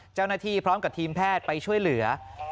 เจ้าหน้าที่พร้อมกับทีมแพทย์ไปช่วยเหลือ